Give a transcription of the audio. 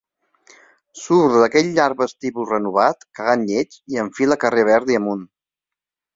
Surt d'aquell llarg vestíbul renovat cagant llets i enfila carrer Verdi amunt.